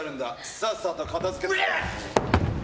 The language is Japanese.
さっさと片付けて。